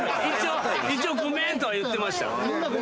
一応ごめんとは言ってました。